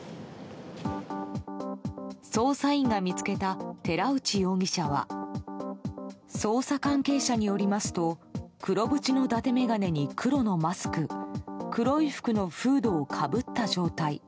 捜査員が見つけた寺内容疑者は捜査関係者によりますと黒縁のだて眼鏡に黒のマスク黒い服のフードをかぶった状態。